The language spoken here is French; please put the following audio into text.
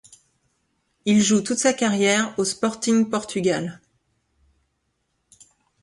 Il joue toute sa carrière au Sporting Portugal.